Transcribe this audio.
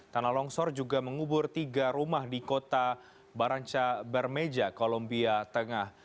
tanah longsor juga mengubur tiga rumah di kota baranca bermeja kolombia tengah